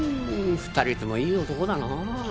２人ともいい男だな。